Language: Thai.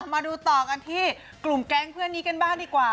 มาดูต่อกันที่กลุ่มแก๊งเพื่อนนี้กันบ้างดีกว่า